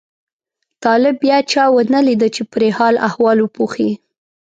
طالب بیا چا ونه لیده چې پرې حال احوال وپوښي.